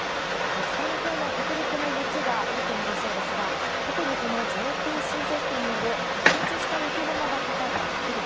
北日本や北陸の雪が多くなりそうですが特に、ＪＰＣＺによる発達した雪雲がかかる北陸。